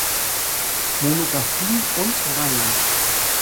Monographien und Reihen